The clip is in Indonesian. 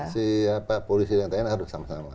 siapa polisi yang tanya harus sama sama